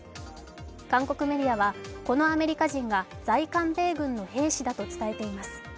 韓国メディアは、このアメリカ人が在韓米軍の兵士だと伝えています。